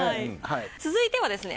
続いてはですね